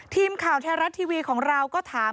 ทีมข่าวไทยรัฐทีวีของเราก็ถาม